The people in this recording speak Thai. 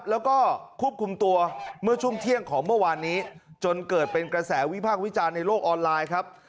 แล้วก็ควบคุมตัวเมื่อช่วงเที่ยงของเมื่อวานนี้จนเกิดเป็นกระแสวิพากษ์วิจารณ์ในโลกออนไลน์ครับ